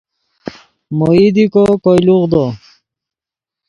مو ایدیکو کوئے لوغدو